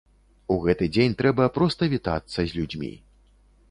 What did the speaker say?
У гэты дзень трэба проста вітацца з людзьмі.